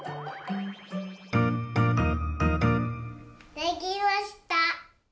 できました！